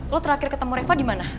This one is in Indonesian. lo terakhir ketemu riva dimana